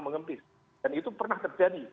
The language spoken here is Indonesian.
mengempis dan itu pernah terjadi